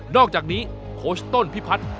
อกจากนี้โค้ชต้นพิพัฒน์